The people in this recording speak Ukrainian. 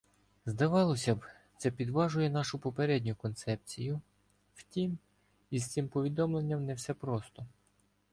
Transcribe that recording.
Здавалося б, це підважує нашу попередню концепцію, втім, із цим повідомленням не все просто.